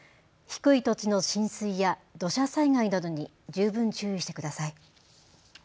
低い土地の浸水や土砂災害などに十分注意してください。